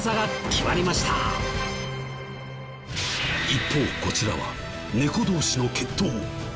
一方こちらは猫同士の決闘。